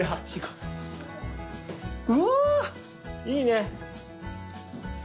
いいね。